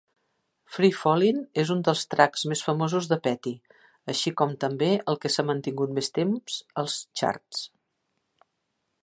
"Free Fallin" és un dels tracks més famosos de Petty, així com també el que ha s'ha mantingut més temps als charts.